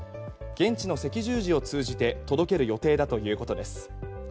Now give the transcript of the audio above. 現地の赤十字を通じて届ける予定だということです。